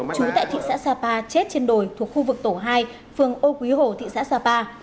chú tại thị xã sapa chết trên đồi thuộc khu vực tổ hai phường âu quý hồ thị xã sapa